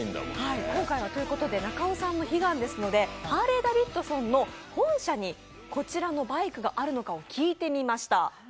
今回は中尾さんの悲願ですので、ハーレー・ダビッドソンの本社にこちらのバイクがあるのかを聞いてみました。